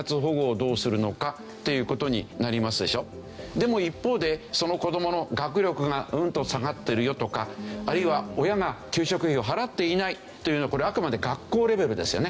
でも一方でその子どもの学力がうんと下がってるよとかあるいは親が給食費を払っていないというのはあくまで学校レベルですよね。